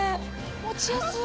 持ちやすい。